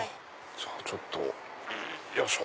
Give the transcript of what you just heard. じゃあちょっとよいしょ。